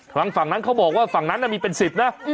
ทางฝั่งนั้นเขาบอกว่าฝั่งนั้นน่ะมีเป็นสิทธิ์นะ